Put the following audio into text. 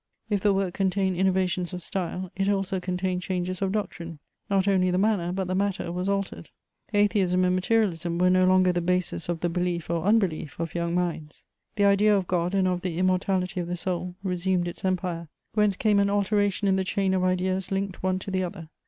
If the work contained innovations of style, it also contained changes of doctrine; not only the manner, but the matter, was altered; atheism and materialism were no longer the basis of the belief or unbelief of young minds; the idea of God and of the immortality of the soul resumed its empire: whence came an alteration in the chain of ideas linked one to the other.